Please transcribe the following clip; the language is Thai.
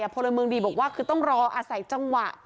พลเมืองดีบอกว่าคือต้องรออาศัยจังหวะ